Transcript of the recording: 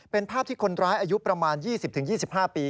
เป็นภาพที่คนร้ายอายุประมาณ๒๐๒๕ปี